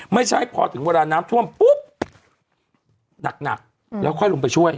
ไม่ใช่พอถึงเวลาน้ำท่วมปุ๊บหนักแล้วค่อยลงไปช่วย